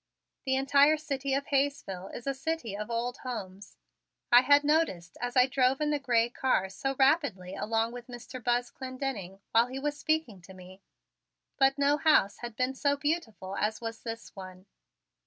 The entire city of Hayesville is a city of old homes, I had noticed as I drove in the gray car so rapidly along with Mr. Buzz Clendenning while he was speaking to me, but no house had been so beautiful as was this one.